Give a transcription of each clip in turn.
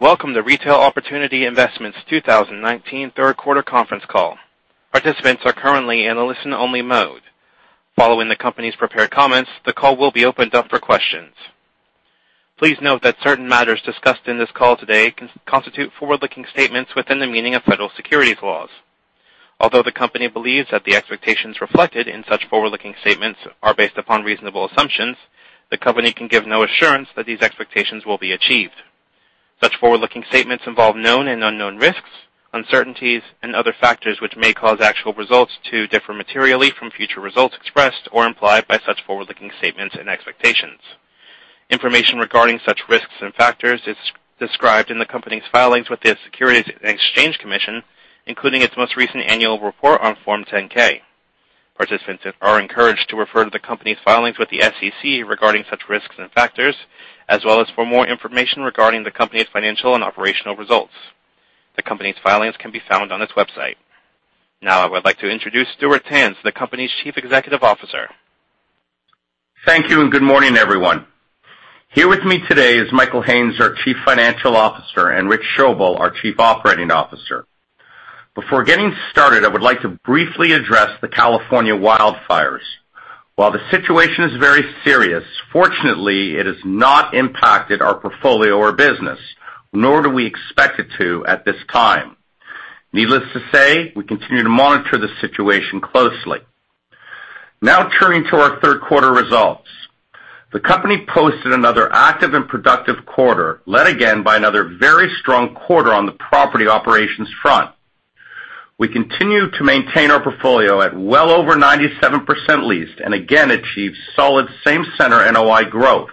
Welcome to Retail Opportunity Investments 2019 third quarter conference call. Participants are currently in a listen-only mode. Following the company's prepared comments, the call will be opened up for questions. Please note that certain matters discussed in this call today can constitute forward-looking statements within the meaning of federal securities laws. Although the company believes that the expectations reflected in such forward-looking statements are based upon reasonable assumptions, the company can give no assurance that these expectations will be achieved. Such forward-looking statements involve known and unknown risks, uncertainties and other factors which may cause actual results to differ materially from future results expressed or implied by such forward-looking statements and expectations. Information regarding such risks and factors is described in the company's filings with the Securities and Exchange Commission, including its most recent annual report on Form 10-K. Participants are encouraged to refer to the company's filings with the SEC regarding such risks and factors, as well as for more information regarding the company's financial and operational results. The company's filings can be found on its website. I would like to introduce Stuart Tanz, the company's Chief Executive Officer. Thank you and good morning, everyone. Here with me today is Michael Haines, our Chief Financial Officer, and Rich Schoebel, our Chief Operating Officer. Before getting started, I would like to briefly address the California wildfires. While the situation is very serious, fortunately it has not impacted our portfolio or business, nor do we expect it to at this time. Needless to say, we continue to monitor the situation closely. Turning to our third quarter results. The company posted another active and productive quarter, led again by another very strong quarter on the property operations front. We continue to maintain our portfolio at well over 97% leased and again achieve solid Same-Center NOI growth,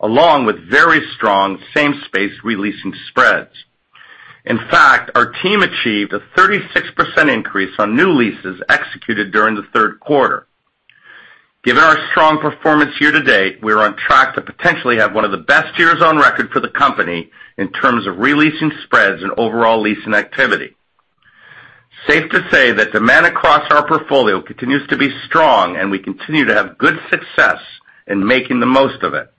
along with very strong same space re-leasing spreads. In fact, our team achieved a 36% increase on new leases executed during the third quarter. Given our strong performance year to date, we are on track to potentially have one of the best years on record for the company in terms of re-leasing spreads and overall leasing activity. Safe to say that demand across our portfolio continues to be strong, and we continue to have good success in making the most of it.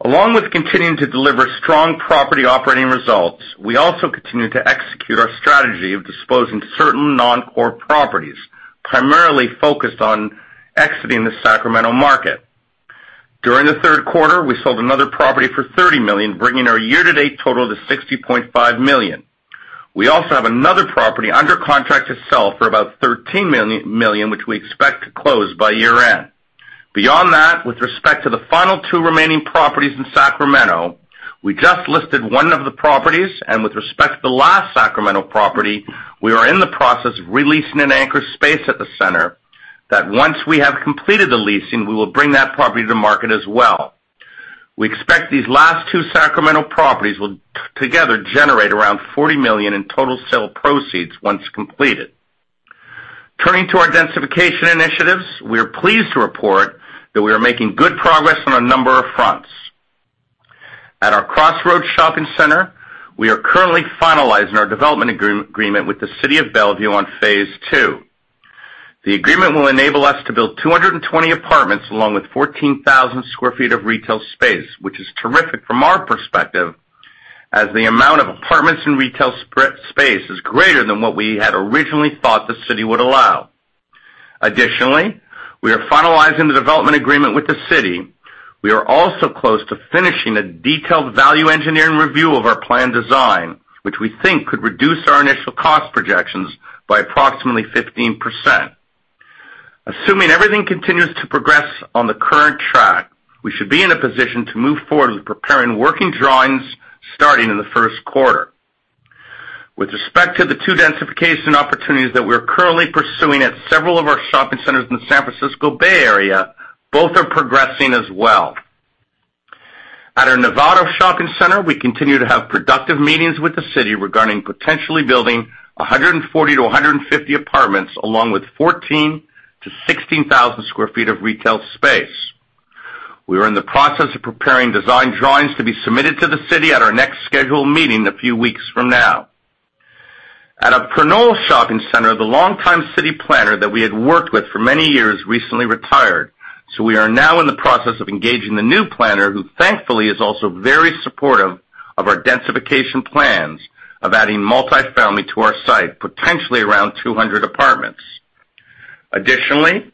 Along with continuing to deliver strong property operating results, we also continue to execute our strategy of disposing certain non-core properties, primarily focused on exiting the Sacramento market. During the third quarter, we sold another property for $30 million, bringing our year-to-date total to $60.5 million. We also have another property under contract to sell for about $13 million, which we expect to close by year-end. Beyond that, with respect to the final two remaining properties in Sacramento, we just listed one of the properties, and with respect to the last Sacramento property, we are in the process of re-leasing an anchor space at the center that once we have completed the leasing, we will bring that property to market as well. We expect these last two Sacramento properties will together generate around $40 million in total sale proceeds once completed. Turning to our densification initiatives, we are pleased to report that we are making good progress on a number of fronts. At our Crossroads Shopping Center, we are currently finalizing our development agreement with the City of Bellevue on phase two. The agreement will enable us to build 220 apartments along with 14,000 sq ft of retail space, which is terrific from our perspective as the amount of apartments and retail space is greater than what we had originally thought the city would allow. Additionally, we are finalizing the development agreement with the city. We are also close to finishing a detailed value engineering review of our planned design, which we think could reduce our initial cost projections by approximately 15%. Assuming everything continues to progress on the current track, we should be in a position to move forward with preparing working drawings starting in the first quarter. With respect to the two densification opportunities that we are currently pursuing at several of our shopping centers in the San Francisco Bay Area, both are progressing as well. At our Novato shopping center, we continue to have productive meetings with the city regarding potentially building 140-150 apartments, along with 14,000-16,000 sq ft of retail space. We are in the process of preparing design drawings to be submitted to the city at our next scheduled meeting a few weeks from now. At our Pinole shopping center, the longtime city planner that we had worked with for many years recently retired, so we are now in the process of engaging the new planner, who thankfully is also very supportive of our densification plans of adding multi-family to our site, potentially around 200 apartments. Additionally,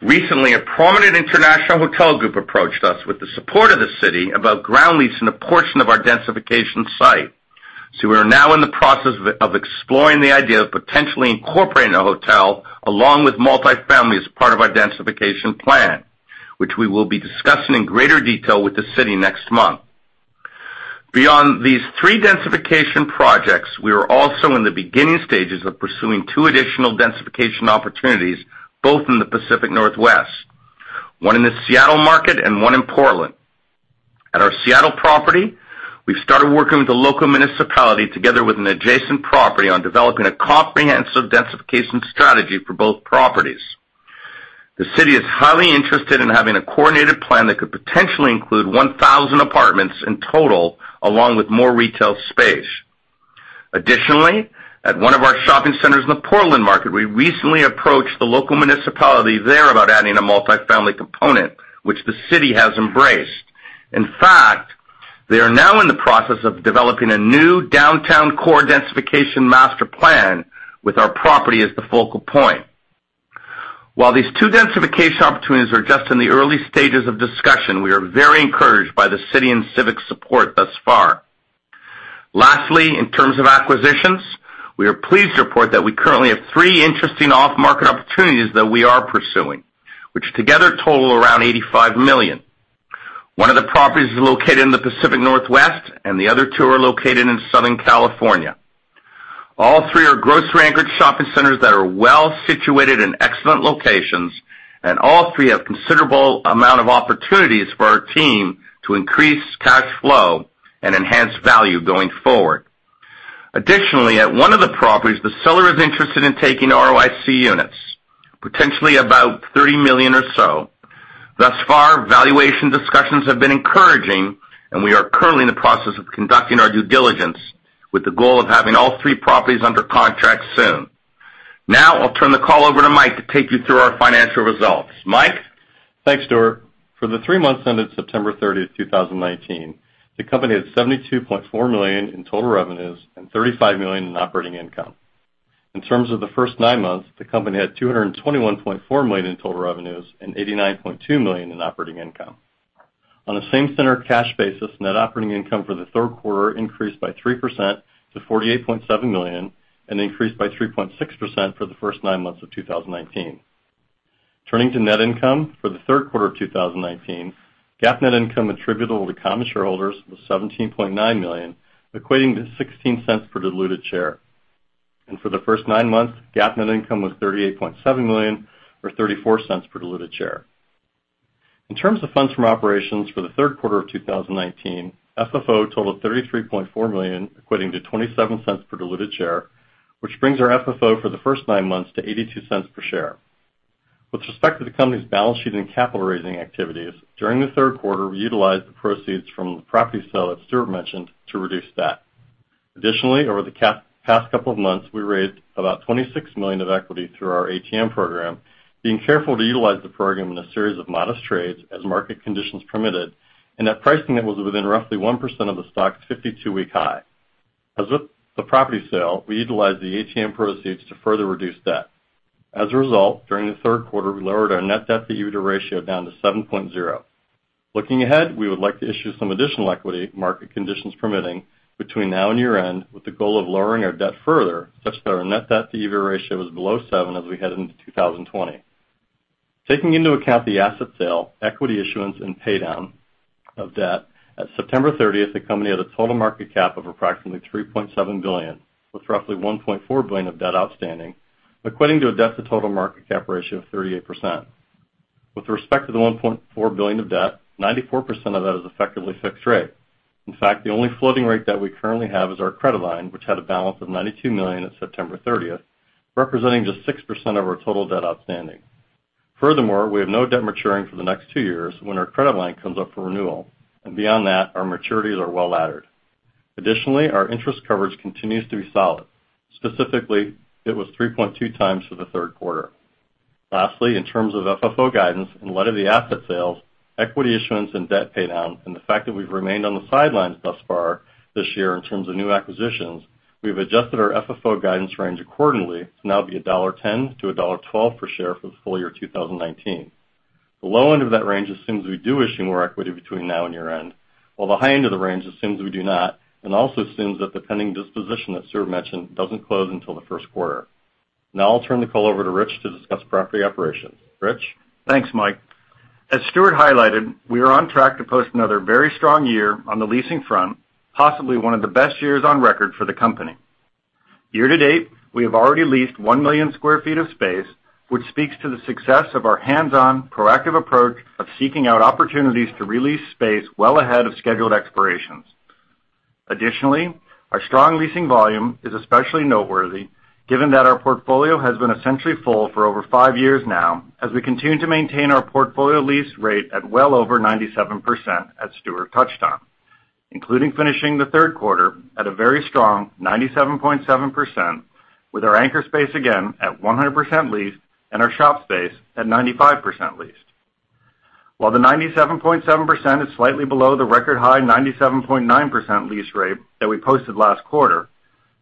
recently, a prominent international hotel group approached us with the support of the city about ground leasing a portion of our densification site. We are now in the process of exploring the idea of potentially incorporating a hotel along with multi-family as part of our densification plan, which we will be discussing in greater detail with the city next month. Beyond these three densification projects, we are also in the beginning stages of pursuing two additional densification opportunities, both in the Pacific Northwest, one in the Seattle market and one in Portland. At our Seattle property, we've started working with the local municipality together with an adjacent property on developing a comprehensive densification strategy for both properties. The city is highly interested in having a coordinated plan that could potentially include 1,000 apartments in total, along with more retail space. Additionally, at one of our shopping centers in the Portland market, we recently approached the local municipality there about adding a multifamily component, which the city has embraced. In fact, they are now in the process of developing a new downtown core densification master plan with our property as the focal point. While these two densification opportunities are just in the early stages of discussion, we are very encouraged by the city and civic support thus far. Lastly, in terms of acquisitions, we are pleased to report that we currently have three interesting off-market opportunities that we are pursuing, which together total around $85 million. One of the properties is located in the Pacific Northwest, and the other two are located in Southern California. All three are grocery-anchored shopping centers that are well-situated in excellent locations, and all three have a considerable amount of opportunities for our team to increase cash flow and enhance value going forward. Additionally, at one of the properties, the seller is interested in taking ROIC units, potentially about $30 million or so. Thus far, valuation discussions have been encouraging, and we are currently in the process of conducting our due diligence with the goal of having all three properties under contract soon. Now, I'll turn the call over to Mike to take you through our financial results. Mike? Thanks, Stuart. For the 3 months ended September 30th, 2019, the company had $72.4 million in total revenues and $35 million in operating income. In terms of the first nine months, the company had $221.4 million in total revenues and $89.2 million in operating income. On a Same-Center cash basis, Net Operating Income for the third quarter increased by 3% to $48.7 million and increased by 3.6% for the first nine months of 2019. Turning to net income for the third quarter of 2019, GAAP net income attributable to common shareholders was $17.9 million, equating to $0.16 per diluted share. For the first nine months, GAAP net income was $38.7 million or $0.34 per diluted share. In terms of funds from operations for the third quarter of 2019, FFO totaled $33.4 million, equating to $0.27 per diluted share, which brings our FFO for the first nine months to $0.82 per share. With respect to the company's balance sheet and capital raising activities, during the third quarter, we utilized the proceeds from the property sale that Stuart mentioned to reduce debt. Additionally, over the past couple of months, we raised about $26 million of equity through our ATM program, being careful to utilize the program in a series of modest trades as market conditions permitted, and at pricing that was within roughly 1% of the stock's 52-week high. As with the property sale, we utilized the ATM proceeds to further reduce debt. As a result, during the third quarter, we lowered our Net Debt to EBITDA ratio down to 7.0. Looking ahead, we would like to issue some additional equity, market conditions permitting, between now and year-end with the goal of lowering our debt further, such that our Net Debt to EBITDA ratio is below seven as we head into 2020. Taking into account the asset sale, equity issuance, and pay down of debt, at September 30th, the company had a total market cap of approximately $3.7 billion, with roughly $1.4 billion of debt outstanding, equating to a debt to total market cap ratio of 38%. With respect to the $1.4 billion of debt, 94% of that is effectively fixed rate. In fact, the only floating rate that we currently have is our credit line, which had a balance of $92 million at September 30th, representing just 6% of our total debt outstanding. Furthermore, we have no debt maturing for the next two years when our credit line comes up for renewal. Beyond that, our maturities are well-laddered. Additionally, our interest coverage continues to be solid. Specifically, it was 3.2 times for the third quarter. Lastly, in terms of FFO guidance, in light of the asset sales, equity issuance and debt paydown, and the fact that we've remained on the sidelines thus far this year in terms of new acquisitions, we've adjusted our FFO guidance range accordingly to now be $1.10-$1.12 per share for the full year 2019. The low end of that range assumes we do issue more equity between now and year-end, while the high end of the range assumes we do not and also assumes that the pending disposition that Stuart mentioned doesn't close until the first quarter. Now I'll turn the call over to Rich to discuss property operations. Rich? Thanks, Mike. As Stuart highlighted, we are on track to post another very strong year on the leasing front, possibly one of the best years on record for the company. Year to date, we have already leased 1 million sq ft of space, which speaks to the success of our hands-on, proactive approach of seeking out opportunities to re-lease space well ahead of scheduled expirations. Additionally, our strong leasing volume is especially noteworthy given that our portfolio has been essentially full for over five years now as we continue to maintain our portfolio lease rate at well over 97%, as Stuart touched on, including finishing the third quarter at a very strong 97.7%, with our anchor space again at 100% leased and our shop space at 95% leased. While the 97.7% is slightly below the record high 97.9% lease rate that we posted last quarter,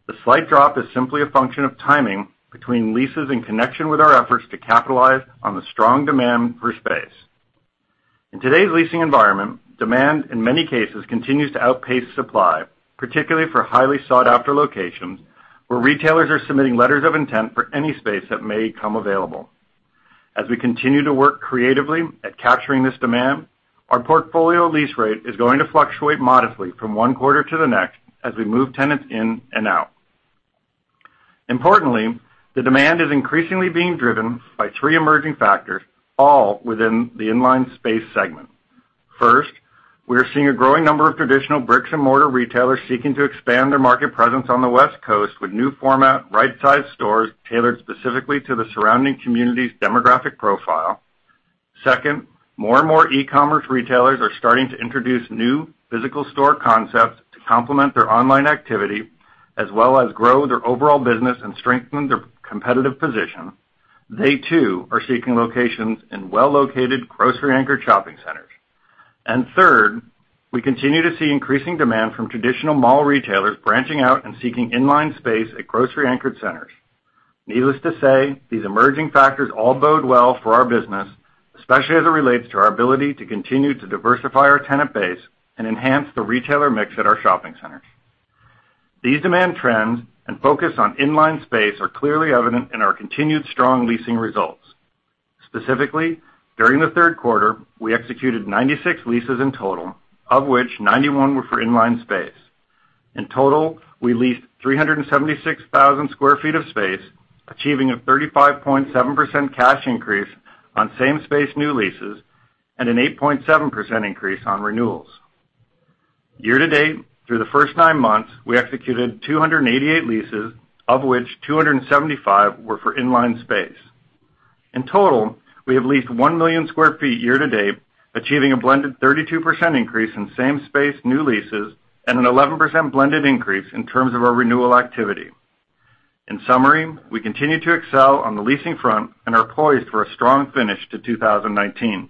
the slight drop is simply a function of timing between leases in connection with our efforts to capitalize on the strong demand for space. In today's leasing environment, demand in many cases continues to outpace supply, particularly for highly sought-after locations where retailers are submitting letters of intent for any space that may become available. As we continue to work creatively at capturing this demand, our portfolio lease rate is going to fluctuate modestly from one quarter to the next as we move tenants in and out. Importantly, the demand is increasingly being driven by three emerging factors, all within the inline space segment. First, we are seeing a growing number of traditional bricks-and-mortar retailers seeking to expand their market presence on the West Coast with new format, right-sized stores tailored specifically to the surrounding community's demographic profile. Second, more and more e-commerce retailers are starting to introduce new physical store concepts to complement their online activity, as well as grow their overall business and strengthen their competitive position. They too are seeking locations in well-located grocery-anchored shopping centers. Third, we continue to see increasing demand from traditional mall retailers branching out and seeking inline space at grocery-anchored centers. Needless to say, these emerging factors all bode well for our business, especially as it relates to our ability to continue to diversify our tenant base and enhance the retailer mix at our shopping centers. These demand trends and focus on inline space are clearly evident in our continued strong leasing results. Specifically, during the third quarter, we executed 96 leases in total, of which 91 were for inline space. In total, we leased 376,000 square feet of space, achieving a 35.7% cash increase on same space new leases and an 8.7% increase on renewals. Year-to-date, through the first nine months, we executed 288 leases, of which 275 were for inline space. In total, we have leased 1 million square feet year-to-date, achieving a blended 32% increase in same space new leases and an 11% blended increase in terms of our renewal activity. In summary, we continue to excel on the leasing front and are poised for a strong finish to 2019.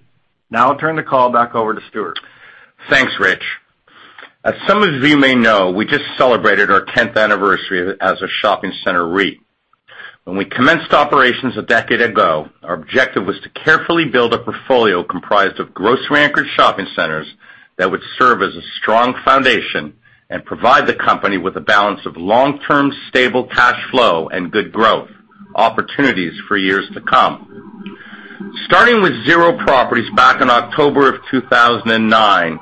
Now I'll turn the call back over to Stuart. Thanks, Rich. As some of you may know, we just celebrated our 10th anniversary as a shopping center REIT. When we commenced operations a decade ago, our objective was to carefully build a portfolio comprised of grocery-anchored shopping centers that would serve as a strong foundation and provide the company with a balance of long-term stable cash flow and good growth opportunities for years to come. Starting with zero properties back in October of 2009,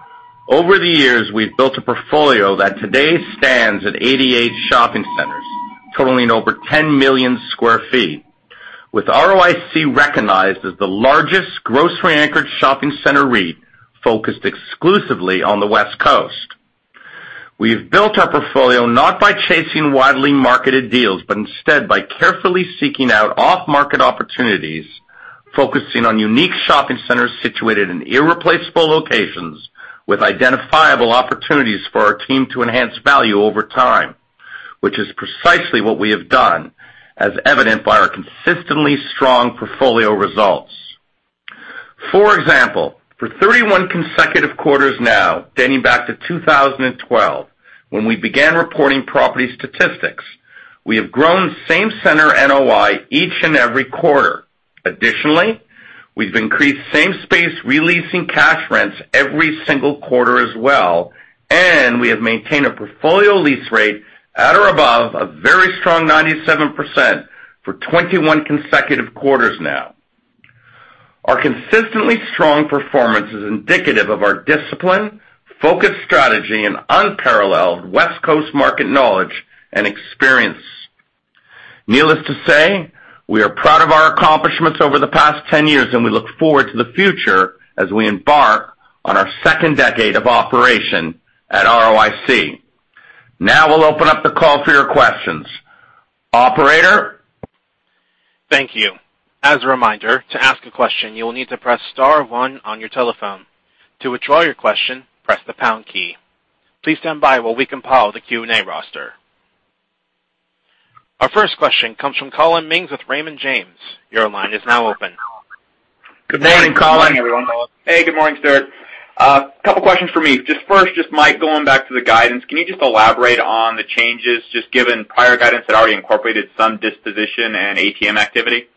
over the years, we've built a portfolio that today stands at 88 shopping centers, totaling over 10 million square feet. With ROIC recognized as the largest grocery-anchored shopping center REIT focused exclusively on the West Coast. We have built our portfolio not by chasing widely marketed deals, but instead by carefully seeking out off-market opportunities, focusing on unique shopping centers situated in irreplaceable locations with identifiable opportunities for our team to enhance value over time, which is precisely what we have done, as evident by our consistently strong portfolio results. For example, for 31 consecutive quarters now, dating back to 2012, when we began reporting property statistics. We have grown Same-Center NOI each and every quarter. Additionally, we've increased same space re-leasing cash rents every single quarter as well, and we have maintained a portfolio lease rate at or above a very strong 97% for 21 consecutive quarters now. Our consistently strong performance is indicative of our discipline, focused strategy, and unparalleled West Coast market knowledge and experience. Needless to say, we are proud of our accomplishments over the past 10 years, we look forward to the future as we embark on our second decade of operation at ROIC. Now we'll open up the call for your questions. Operator? Thank you. As a reminder, to ask a question, you will need to press star one on your telephone. To withdraw your question, press the pound key. Please stand by while we compile the Q&A roster. Our first question comes from Collin Mings with Raymond James. Your line is now open. Good morning, Collin. Good morning, everyone. Hey. Good morning, Stuart. A couple of questions for me. Just first, just Mike, going back to the guidance, can you just elaborate on the changes just given prior guidance that already incorporated some disposition and ATM activity?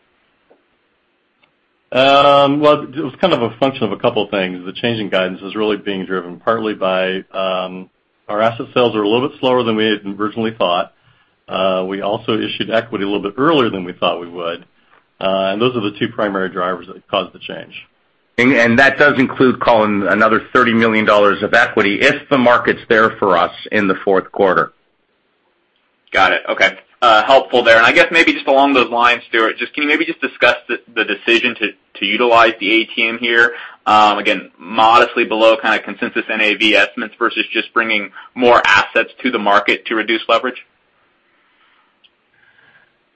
Well, it was kind of a function of a couple things. The change in guidance is really being driven partly by our asset sales are a little bit slower than we had originally thought. We also issued equity a little bit earlier than we thought we would. Those are the two primary drivers that caused the change. That does include, Collin, another $30 million of equity if the market's there for us in the fourth quarter. Got it. Okay. Helpful there. I guess maybe just along those lines, Stuart, just can you maybe just discuss the decision to utilize the ATM here, again, modestly below kind of consensus NAV estimates versus just bringing more assets to the market to reduce leverage?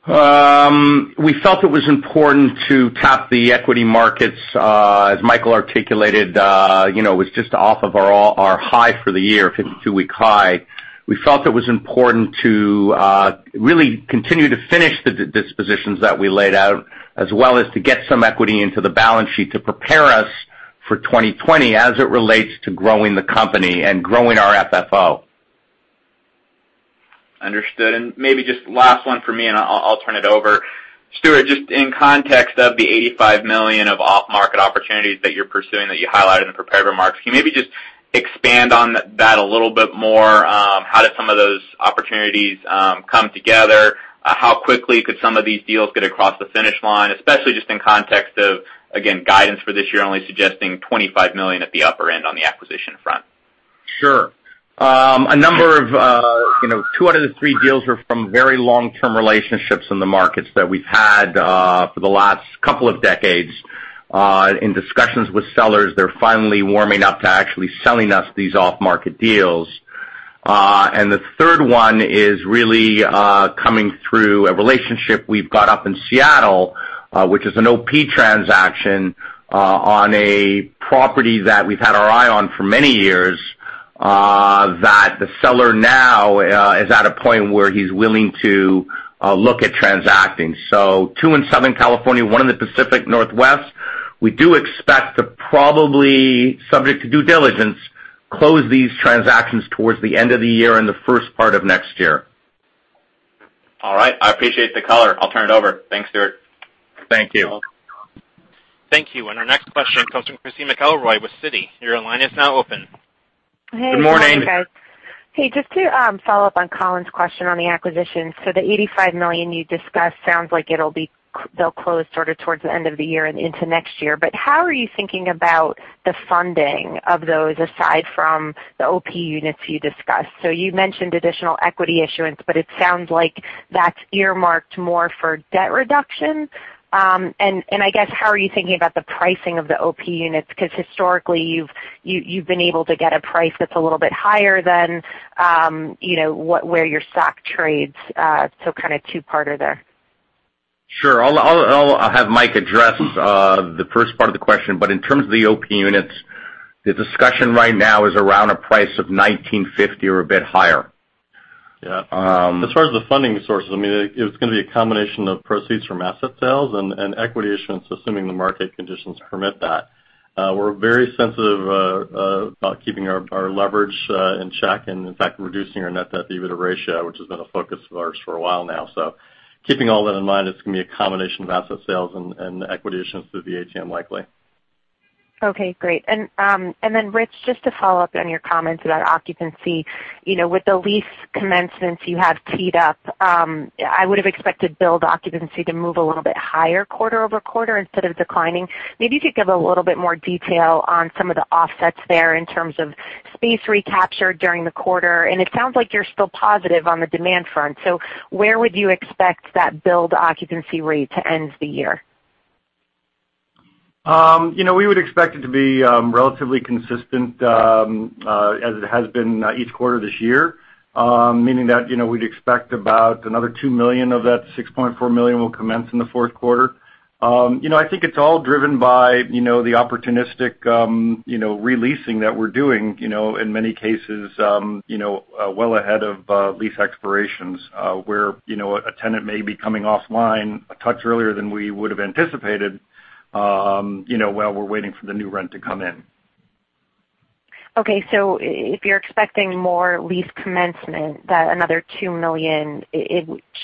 We felt it was important to tap the equity markets. As Michael articulated, it was just off of our high for the year, 52-week high. We felt it was important to really continue to finish the dispositions that we laid out, as well as to get some equity into the balance sheet to prepare us for 2020 as it relates to growing the company and growing our FFO. Understood. Maybe just last one for me, and I'll turn it over. Stuart, just in context of the $85 million of off-market opportunities that you're pursuing that you highlighted in the prepared remarks, can you maybe just expand on that a little bit more? How do some of those opportunities come together? How quickly could some of these deals get across the finish line? Especially just in context of, again, guidance for this year only suggesting $25 million at the upper end on the acquisition front. Sure. Two out of the three deals are from very long-term relationships in the markets that we've had for the last couple of decades. In discussions with sellers, they're finally warming up to actually selling us these off-market deals. The third one is really coming through a relationship we've got up in Seattle, which is an OP transaction on a property that we've had our eye on for many years, that the seller now is at a point where he's willing to look at transacting. Two in Southern California, one in the Pacific Northwest. We do expect to probably, subject to due diligence, close these transactions towards the end of the year and the first part of next year. All right. I appreciate the color. I'll turn it over. Thanks, Stuart. Thank you. Thank you. Our next question comes from Christy McElroy with Citi. Your line is now open. Good morning. Hey. Morning, guys. Hey, just to follow up on Collin's question on the acquisition. The $85 million you discussed sounds like they'll close sort of towards the end of the year and into next year. How are you thinking about the funding of those, aside from the OP units you discussed? You mentioned additional equity issuance, but it sounds like that's earmarked more for debt reduction. I guess, how are you thinking about the pricing of the OP units? Because historically you've been able to get a price that's a little bit higher than where your stock trades, kind of two-parter there. Sure. I'll have Mike address the first part of the question. In terms of the OP units, the discussion right now is around a price of $19.50 or a bit higher. Yeah. As far as the funding sources, it's going to be a combination of proceeds from asset sales and equity issuance, assuming the market conditions permit that. We're very sensitive about keeping our leverage in check and, in fact, reducing our Net Debt-to-EBITDA ratio, which has been a focus of ours for a while now. Keeping all that in mind, it's going to be a combination of asset sales and equity issuance through the ATM likely. Okay, great. Rich, just to follow up on your comments about occupancy. With the lease commencements you have teed up, I would've expected build occupancy to move a little bit higher quarter-over-quarter instead of declining. Maybe you could give a little bit more detail on some of the offsets there in terms of space recaptured during the quarter, and it sounds like you're still positive on the demand front. Where would you expect that build occupancy rate to end the year? We would expect it to be relatively consistent as it has been each quarter this year. Meaning that we'd expect about another $2 million of that $6.4 million will commence in the fourth quarter. I think it's all driven by the opportunistic re-leasing that we're doing, in many cases, well ahead of lease expirations, where a tenant may be coming offline a touch earlier than we would've anticipated, while we're waiting for the new rent to come in. If you're expecting more lease commencement, that another $2 million,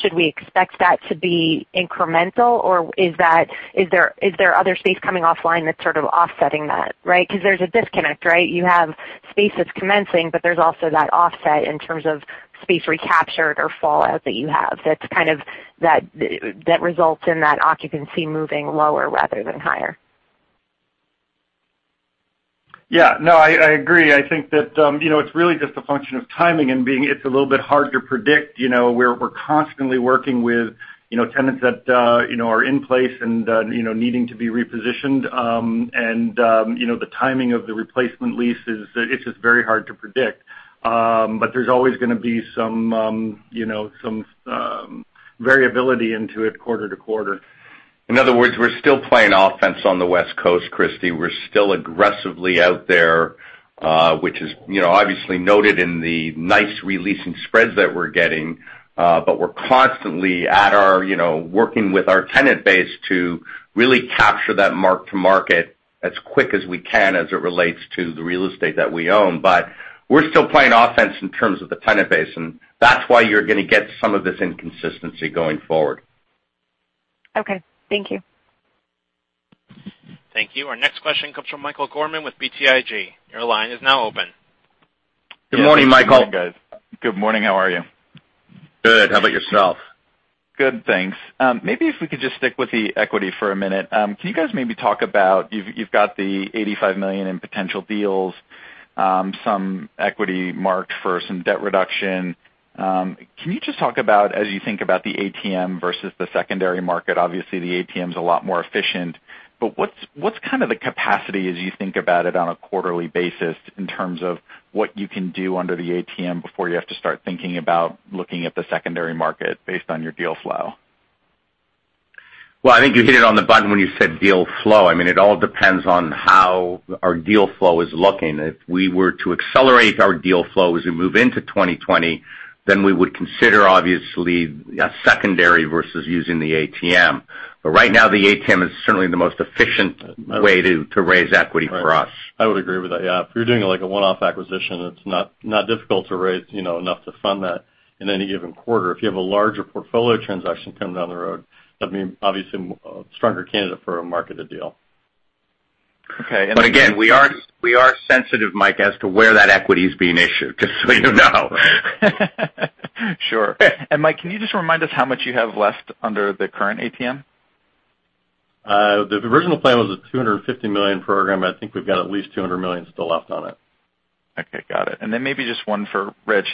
should we expect that to be incremental, or is there other space coming offline that's sort of offsetting that, right? Because there's a disconnect, right? You have space that's commencing, but there's also that offset in terms of space recaptured or fallout that you have that results in that occupancy moving lower rather than higher. Yeah. No, I agree. I think that it's really just a function of timing and being it's a little bit hard to predict. We're constantly working with tenants that are in place and needing to be repositioned. The timing of the replacement leases, it's just very hard to predict. There's always going to be some variability into it quarter to quarter. In other words, we're still playing offense on the West Coast, Christy. We're still aggressively out there, which is obviously noted in the nice re-leasing spreads that we're getting. We're constantly working with our tenant base to really capture that mark-to-market as quick as we can, as it relates to the real estate that we own. We're still playing offense in terms of the tenant base, and that's why you're going to get some of this inconsistency going forward. Okay. Thank you. Thank you. Our next question comes from Michael Gorman with BTIG. Your line is now open. Good morning, Michael. Good morning. How are you? Good. How about yourself? Good, thanks. Maybe if we could just stick with the equity for a minute. Can you guys maybe talk about, you've got the $85 million in potential deals, some equity marked for some debt reduction. Can you just talk about, as you think about the ATM versus the secondary market, obviously the ATM's a lot more efficient. What's kind of the capacity as you think about it on a quarterly basis in terms of what you can do under the ATM before you have to start thinking about looking at the secondary market based on your deal flow? I think you hit it on the button when you said deal flow. It all depends on how our deal flow is looking. If we were to accelerate our deal flow as we move into 2020, then we would consider obviously a secondary versus using the ATM. Right now, the ATM is certainly the most efficient way to raise equity for us. I would agree with that. If you're doing a one-off acquisition, it's not difficult to raise enough to fund that in any given quarter. If you have a larger portfolio transaction coming down the road, that'd be obviously a stronger candidate for a marketed deal. Okay. Again, we are sensitive, Mike, as to where that equity's being issued, just so you know. Sure. Mike, can you just remind us how much you have left under the current ATM? The original plan was a $250 million program. I think we've got at least $200 million still left on it. Okay, got it. Then maybe just one for Rich.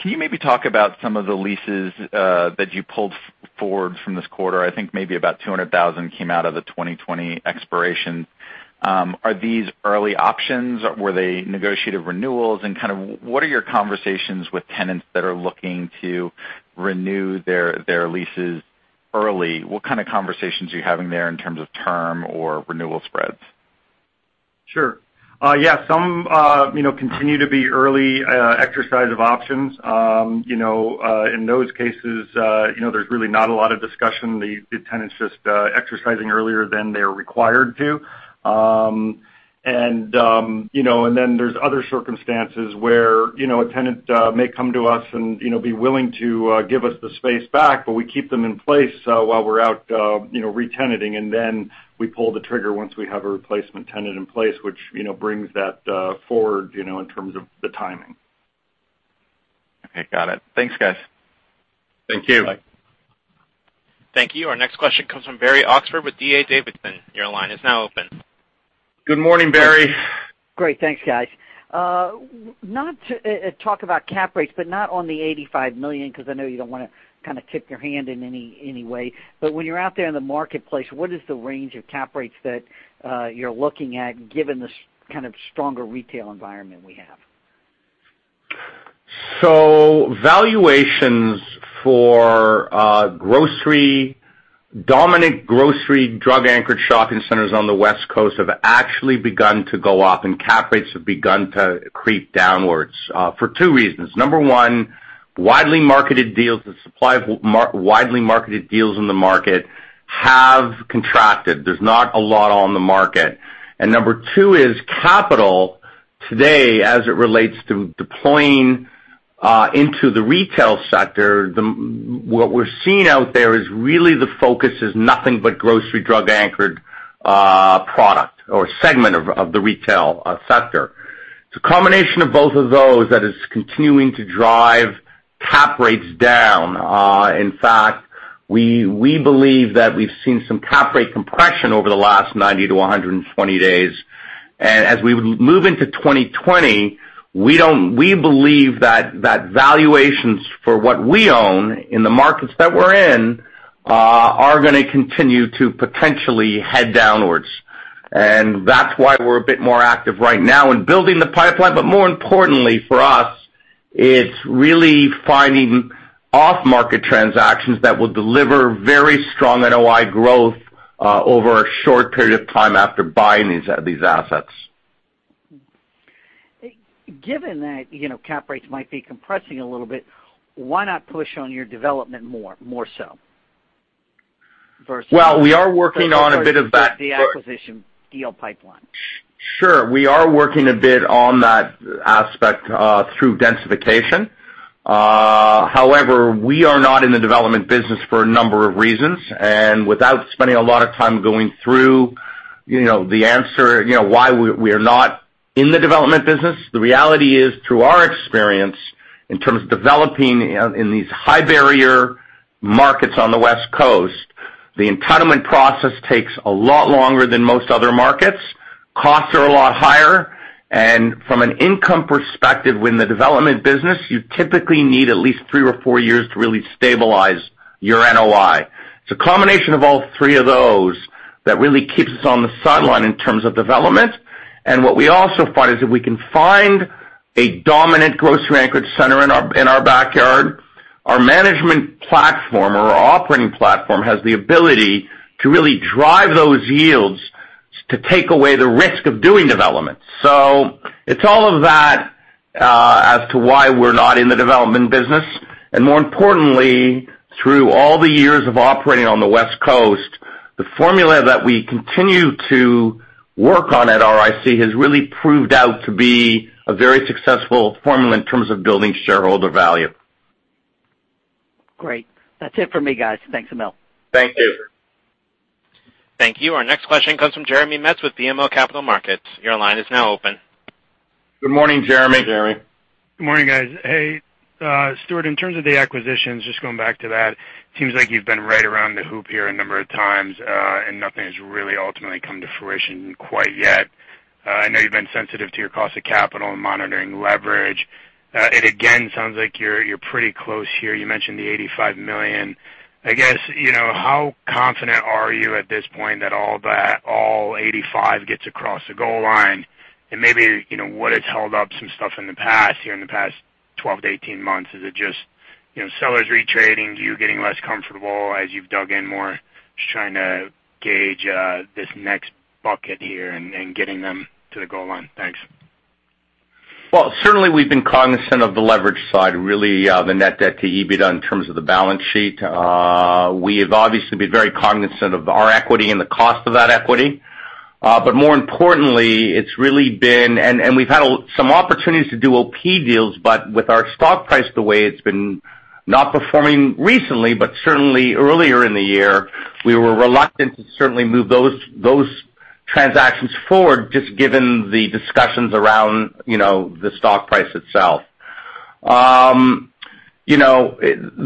Can you maybe talk about some of the leases that you pulled forward from this quarter? I think maybe about 200,000 came out of the 2020 expiration. Are these early options? Were they negotiated renewals? What are your conversations with tenants that are looking to renew their leases early? What kind of conversations are you having there in terms of term or renewal spreads? Sure. Yeah, some continue to be early exercise of options. In those cases, there's really not a lot of discussion. The tenant's just exercising earlier than they're required to. Then there's other circumstances where a tenant may come to us and be willing to give us the space back, but we keep them in place while we're out re-tenanting, and then we pull the trigger once we have a replacement tenant in place, which brings that forward in terms of the timing. Okay, got it. Thanks, guys. Thank you. Bye. Thank you. Our next question comes from Barry Oxford with D.A. Davidson. Your line is now open. Good morning, Barry. Great. Thanks, guys. Talk about cap rates, but not on the $85 million, because I know you don't want to kind of tip your hand in any way. When you're out there in the marketplace, what is the range of cap rates that you're looking at, given the kind of stronger retail environment we have? Valuations for dominant grocery, drug-anchored shopping centers on the West Coast have actually begun to go up, and cap rates have begun to creep downwards for two reasons. Number 1, widely marketed deals, the supply of widely marketed deals in the market have contracted. There's not a lot on the market. Number 2 is capital today, as it relates to deploying into the retail sector, what we're seeing out there is really the focus is nothing but grocery, drug-anchored product or segment of the retail sector. It's a combination of both of those that is continuing to drive cap rates down. In fact, we believe that we've seen some cap rate compression over the last 90-120 days. As we move into 2020, we believe that valuations for what we own in the markets that we're in are going to continue to potentially head downwards. That's why we're a bit more active right now in building the pipeline. More importantly for us, it's really finding off-market transactions that will deliver very strong NOI growth over a short period of time after buying these assets. Given that cap rates might be compressing a little bit, why not push on your development more so versus. Well, we are working on a bit of that. the acquisition deal pipeline? Sure. We are working a bit on that aspect through densification. However, we are not in the development business for a number of reasons, and without spending a lot of time going through the answer why we are not in the development business. The reality is, through our experience in terms of developing in these high-barrier markets on the West Coast, the entitlement process takes a lot longer than most other markets. Costs are a lot higher. From an income perspective, in the development business, you typically need at least three or four years to really stabilize your NOI. It's a combination of all three of those that really keeps us on the sideline in terms of development. What we also find is if we can find a dominant grocery-anchored center in our backyard, our management platform or our operating platform has the ability to really drive those yields to take away the risk of doing development. It's all of that as to why we're not in the development business. More importantly, through all the years of operating on the West Coast, the formula that we continue to work on at ROIC has really proved out to be a very successful formula in terms of building shareholder value. Great. That's it for me, guys. Thanks a mil. Thank you. Thank you. Our next question comes from Jeremy Metz with BMO Capital Markets. Your line is now open. Good morning, Jeremy. Jeremy. Good morning, guys. Hey, Stuart, in terms of the acquisitions, just going back to that, seems like you've been right around the hoop here a number of times, nothing has really ultimately come to fruition quite yet. I know you've been sensitive to your cost of capital and monitoring leverage. It again sounds like you're pretty close here. You mentioned the $85 million. I guess, how confident are you at this point that all $85 gets across the goal line? Maybe what has held up some stuff in the past here in the past 12-18 months? Is it just sellers re-trading, you getting less comfortable as you've dug in more, just trying to gauge this next bucket here and getting them to the goal line? Thanks. Well, certainly we've been cognizant of the leverage side, really the Net Debt to EBITDA in terms of the balance sheet. We have obviously been very cognizant of our equity and the cost of that equity. More importantly, it's really been, and we've had some opportunities to do OP deals, but with our stock price the way it's been not performing recently, but certainly earlier in the year, we were reluctant to certainly move those transactions forward just given the discussions around the stock price itself. The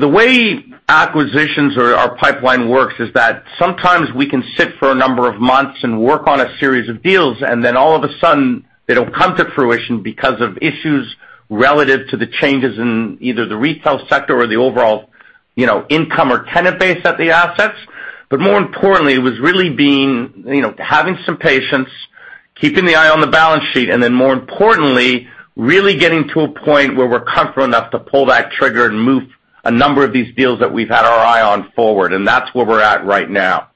way acquisitions or our pipeline works is that sometimes we can sit for a number of months and work on a series of deals, and then all of a sudden they don't come to fruition because of issues relative to the changes in either the retail sector or the overall income or tenant base at the assets. More importantly, it was really having some patience, keeping the eye on the balance sheet, and then more importantly, really getting to a point where we're comfortable enough to pull that trigger and move a number of these deals that we've had our eye on forward. That's where we're at right now.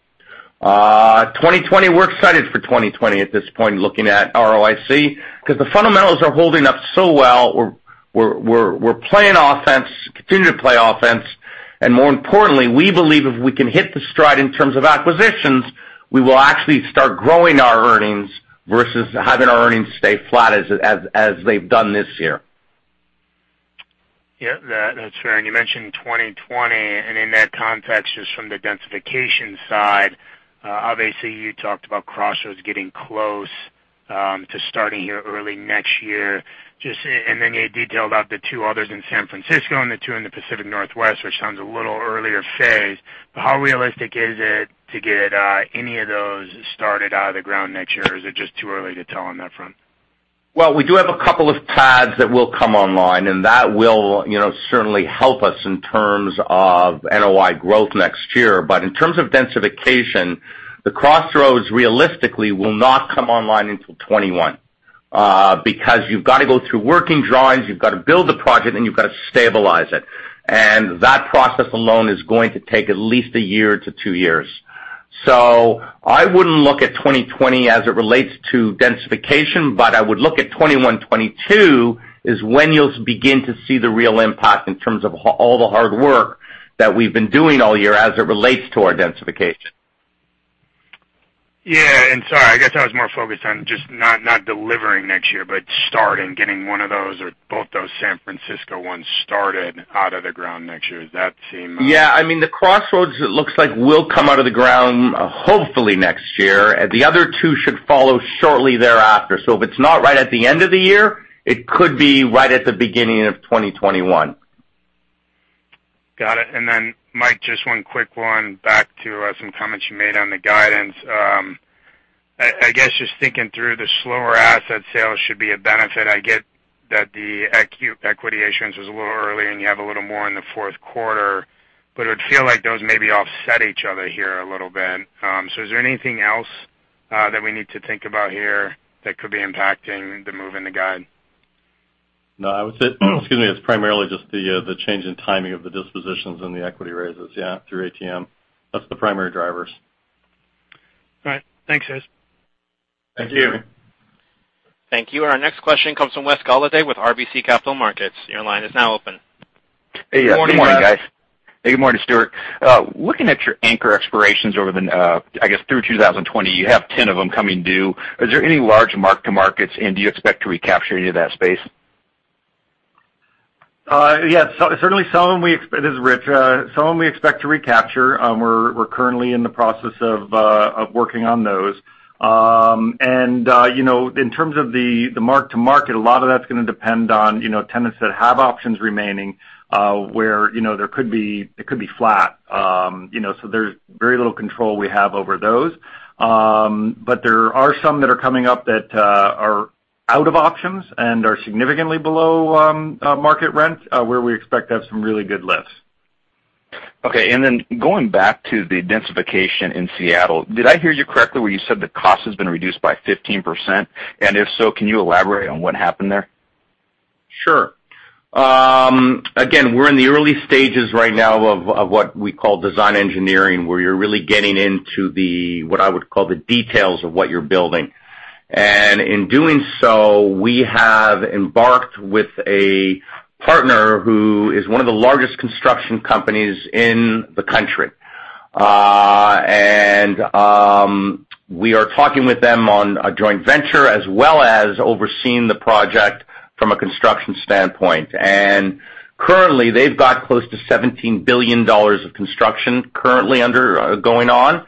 2020, we're excited for 2020 at this point, looking at ROIC, because the fundamentals are holding up so well. We're playing offense, continuing to play offense, and more importantly, we believe if we can hit the stride in terms of acquisitions, we will actually start growing our earnings versus having our earnings stay flat as they've done this year. Yeah, that's fair. You mentioned 2020, and in that context, just from the densification side, obviously you talked about Crossroads getting close to starting here early next year. You detailed out the two others in San Francisco and the two in the Pacific Northwest, which sounds a little earlier phase. How realistic is it to get any of those started out of the ground next year? Is it just too early to tell on that front? We do have a couple of pads that will come online, and that will certainly help us in terms of NOI growth next year. In terms of densification, the Crossroads realistically will not come online until 2021. You've got to go through working drawings, you've got to build the project, and you've got to stabilize it. That process alone is going to take at least a year to two years. I wouldn't look at 2020 as it relates to densification, but I would look at 2021, 2022 is when you'll begin to see the real impact in terms of all the hard work that we've been doing all year as it relates to our densification. Yeah, sorry, I guess I was more focused on just not delivering next year, but starting, getting one of those or both those San Francisco ones started out of the ground next year. Yeah. The Crossroads, it looks like, will come out of the ground hopefully next year. The other two should follow shortly thereafter. If it's not right at the end of the year, it could be right at the beginning of 2021. Got it. Mike, just one quick one back to some comments you made on the guidance. I guess just thinking through the slower asset sales should be a benefit. I get that the equity issuance was a little early, and you have a little more in the fourth quarter, but it would feel like those maybe offset each other here a little bit. Is there anything else that we need to think about here that could be impacting the move in the guide? No. I would say, excuse me, it's primarily just the change in timing of the dispositions and the equity raises, yeah, through ATM. That's the primary drivers. All right. Thanks, guys. Thank you. Thank you. Thank you. Our next question comes from Wes Golladay with RBC Capital Markets. Your line is now open. Good morning. Hey. Good morning, guys. Hey, good morning, Stuart. Looking at your anchor expirations over the, I guess, through 2020, you have 10 of them coming due. Is there any large mark to markets, and do you expect to recapture any of that space? Yeah. This is Rich. Some we expect to recapture. We're currently in the process of working on those. In terms of the mark to market, a lot of that's going to depend on tenants that have options remaining, where it could be flat. There's very little control we have over those. There are some that are coming up that are out of options and are significantly below market rent, where we expect to have some really good lifts. Okay. Going back to the densification in Seattle, did I hear you correctly where you said the cost has been reduced by 15%? If so, can you elaborate on what happened there? Sure. Again, we're in the early stages right now of what we call design engineering, where you're really getting into the, what I would call the details of what you're building. In doing so, we have embarked with a partner who is one of the largest construction companies in the country. We are talking with them on a joint venture, as well as overseeing the project from a construction standpoint. Currently, they've got close to $17 billion of construction currently going on.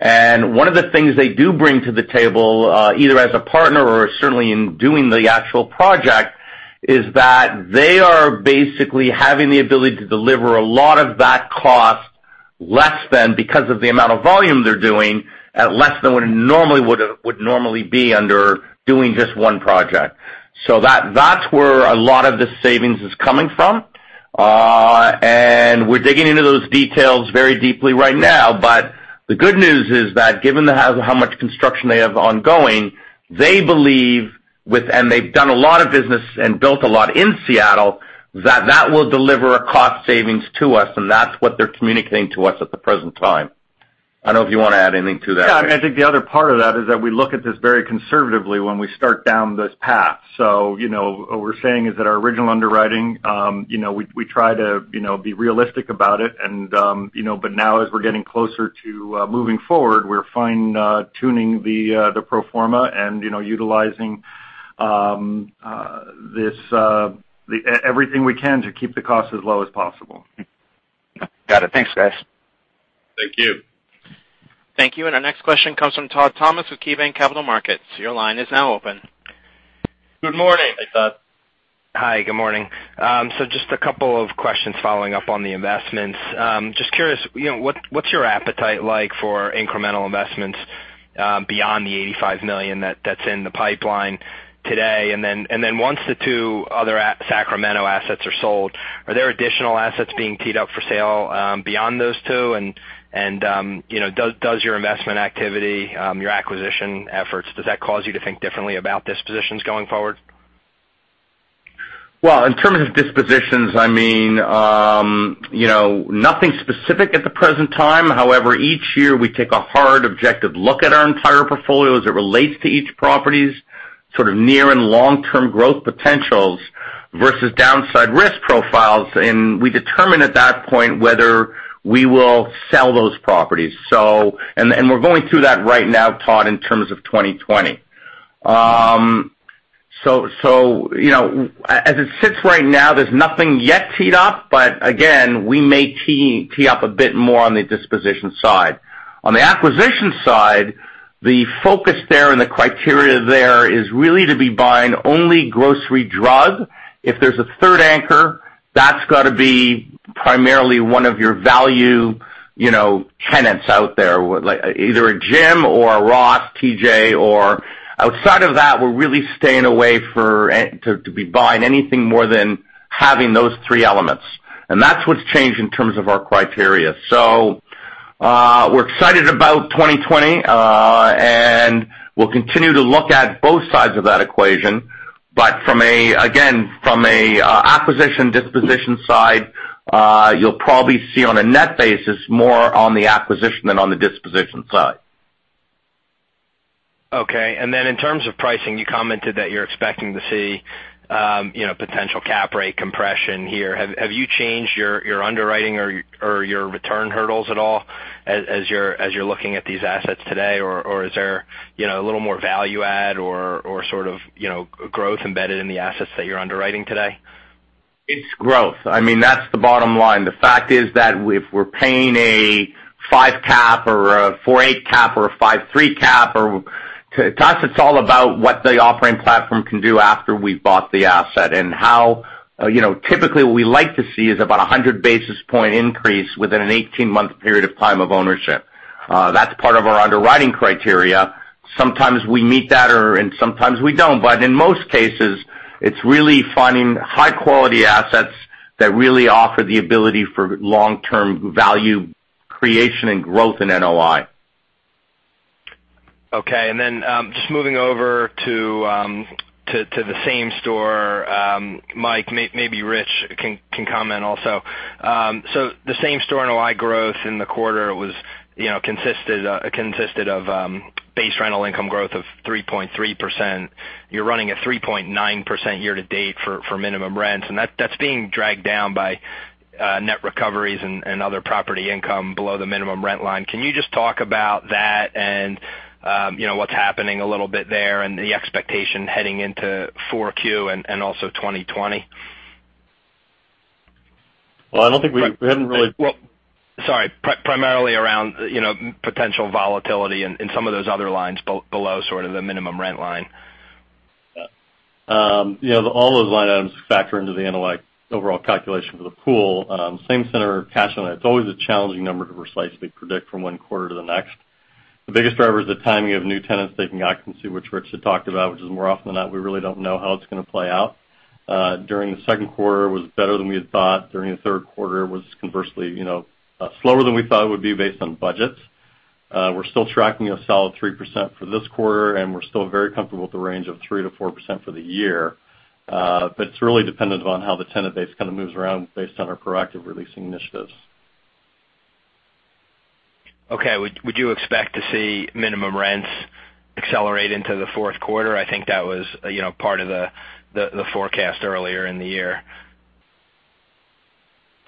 One of the things they do bring to the table, either as a partner or certainly in doing the actual project, is that they are basically having the ability to deliver a lot of that cost less than, because of the amount of volume they're doing, at less than what it would normally be under doing just one project. That's where a lot of the savings is coming from. We're digging into those details very deeply right now. The good news is that given how much construction they have ongoing, they believe and they've done a lot of business and built a lot in Seattle, that that will deliver a cost savings to us, and that's what they're communicating to us at the present time. I don't know if you want to add anything to that, Dave. Yeah. I think the other part of that is that we look at this very conservatively when we start down this path. What we're saying is that our original underwriting, we try to be realistic about it. Now as we're getting closer to moving forward, we're fine-tuning the pro forma and utilizing everything we can to keep the cost as low as possible. Got it. Thanks, guys. Thank you. Thank you. Our next question comes from Todd Thomas with KeyBanc Capital Markets. Your line is now open. Good morning. Hey, Todd. Hi, good morning. Just a couple of questions following up on the investments. Just curious, what's your appetite like for incremental investments, beyond the $85 million that's in the pipeline today? Once the two other Sacramento assets are sold, are there additional assets being teed up for sale, beyond those two? Does your investment activity, your acquisition efforts, does that cause you to think differently about dispositions going forward? Well, in terms of dispositions, nothing specific at the present time. However, each year we take a hard objective look at our entire portfolio as it relates to each property's sort of near and long-term growth potentials versus downside risk profiles. We determine at that point whether we will sell those properties. We're going through that right now, Todd, in terms of 2020. As it sits right now, there's nothing yet teed up. Again, we may tee up a bit more on the disposition side. On the acquisition side, the focus there and the criteria there is really to be buying only grocery drug. If there's a third anchor, that's got to be primarily one of your value tenants out there, either a gym or a Ross, TJ. Outside of that, we're really staying away to be buying anything more than having those three elements. That's what's changed in terms of our criteria. We're excited about 2020. We'll continue to look at both sides of that equation. Again, from a acquisition, disposition side, you'll probably see on a net basis, more on the acquisition than on the disposition side. Okay. In terms of pricing, you commented that you're expecting to see potential cap rate compression here. Have you changed your underwriting or your return hurdles at all as you're looking at these assets today, or is there a little more value add or sort of growth embedded in the assets that you're underwriting today? It's growth. That's the bottom line. The fact is that if we're paying a five cap or a 4.8 cap or a 5.3 cap, to us it's all about what the operating platform can do after we've bought the asset. Typically, what we like to see is about 100 basis point increase within an 18-month period of time of ownership. That's part of our underwriting criteria. Sometimes we meet that, and sometimes we don't. In most cases, it's really finding high-quality assets that really offer the ability for long-term value creation and growth in NOI. Okay. Just moving over to the same store, Mike, maybe Rich can comment also. The same store NOI growth in the quarter consisted of base rental income growth of 3.3%. You're running a 3.9% year to date for minimum rents, and that's being dragged down by net recoveries and other property income below the minimum rent line. Can you just talk about that and what's happening a little bit there and the expectation heading into 4Q and also 2020? Well, I don't think we haven't really. Sorry, primarily around potential volatility in some of those other lines below sort of the minimum rent line. All those line items factor into the NOI overall calculation for the pool. Same center cash on it. It's always a challenging number to precisely predict from one quarter to the next. The biggest driver is the timing of new tenants taking occupancy, which Rich had talked about, which is more often than not, we really don't know how it's going to play out. During the second quarter, it was better than we had thought. During the third quarter, it was conversely slower than we thought it would be based on budgets. We're still tracking a solid 3% for this quarter, and we're still very comfortable with the range of 3%-4% for the year. It's really dependent upon how the tenant base kind of moves around based on our proactive releasing initiatives. Okay. Would you expect to see minimum rents accelerate into the fourth quarter? I think that was part of the forecast earlier in the year.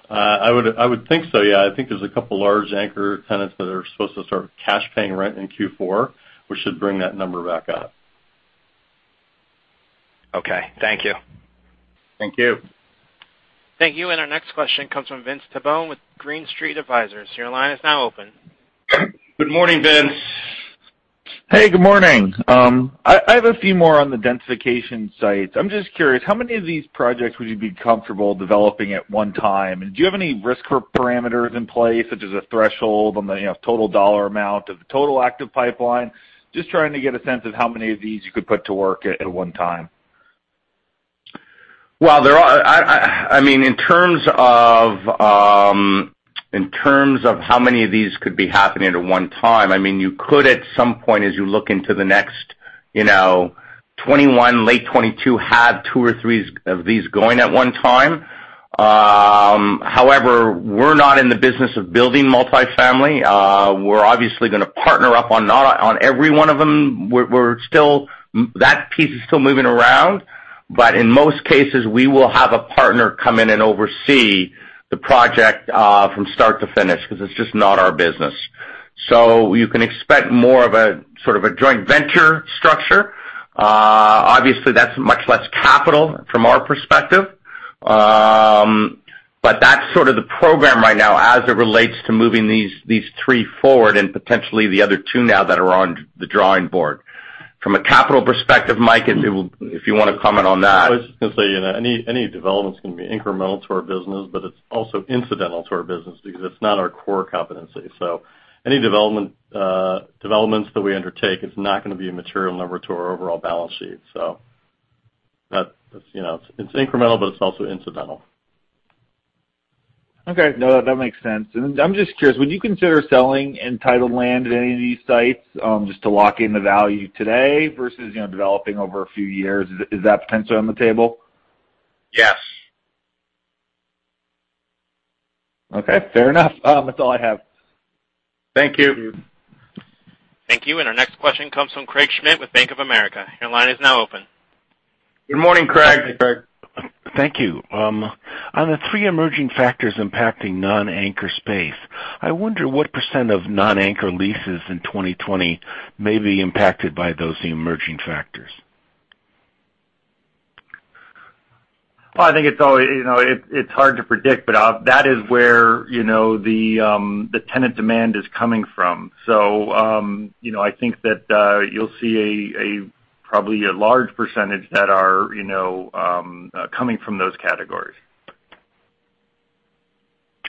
I would think so, yeah. I think there's a couple large anchor tenants that are supposed to start cash paying rent in Q4, which should bring that number back up. Okay. Thank you. Thank you. Thank you. Our next question comes from Vince Tabone with Green Street Advisors. Your line is now open. Good morning, Vince. Hey, good morning. I have a few more on the densification sites. I'm just curious, how many of these projects would you be comfortable developing at one time? Do you have any risk parameters in place, such as a threshold on the total dollar amount of the total active pipeline? Just trying to get a sense of how many of these you could put to work at one time. In terms of how many of these could be happening at one time, you could, at some point, as you look into the next 2021, late 2022, have two or three of these going at one time. We're not in the business of building multi-family. We're obviously going to partner up on every one of them. That piece is still moving around. In most cases, we will have a partner come in and oversee the project from start to finish because it's just not our business. You can expect more of a joint venture structure. Obviously, that's much less capital from our perspective. That's sort of the program right now as it relates to moving these three forward and potentially the other two now that are on the drawing board. From a capital perspective, Mike, if you want to comment on that. I was just going to say, any developments can be incremental to our business, but it's also incidental to our business because it's not our core competency. Any developments that we undertake is not going to be a material number to our overall balance sheet. It's incremental, but it's also incidental. Okay. No, that makes sense. I'm just curious, would you consider selling entitled land at any of these sites, just to lock in the value today versus developing over a few years? Is that potentially on the table? Yes. Okay, fair enough. That's all I have. Thank you. Thank you. Thank you. Our next question comes from Craig Schmidt with Bank of America. Your line is now open. Good morning, Craig. Hey, Craig. Thank you. On the three emerging factors impacting non-anchor space, I wonder what % of non-anchor leases in 2020 may be impacted by those emerging factors. Well, I think it's hard to predict, but that is where the tenant demand is coming from. I think that you'll see probably a large percentage that are coming from those categories.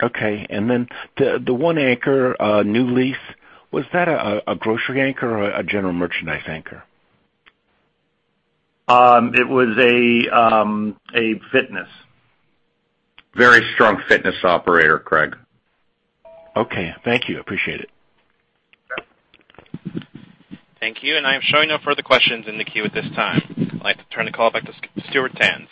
Okay. The one anchor, new lease, was that a grocery anchor or a general merchandise anchor? It was a fitness. Very strong fitness operator, Craig. Okay. Thank you. Appreciate it. Thank you. I am showing no further questions in the queue at this time. I'd like to turn the call back to Stuart Tanz.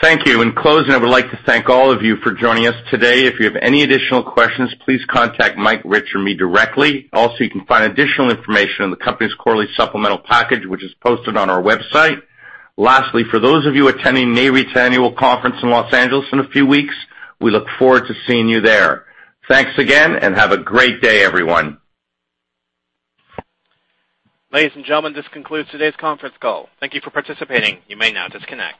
Thank you. In closing, I would like to thank all of you for joining us today. If you have any additional questions, please contact Mike, Rich, or me directly. Also, you can find additional information on the company's quarterly supplemental package, which is posted on our website. Lastly, for those of you attending Nareit's annual conference in L.A. in a few weeks, we look forward to seeing you there. Thanks again, and have a great day, everyone. Ladies and gentlemen, this concludes today's conference call. Thank you for participating. You may now disconnect.